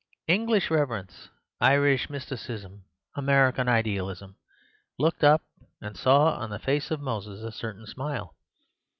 English reverence, Irish mysticism, American idealism, looked up and saw on the face of Moses a certain smile.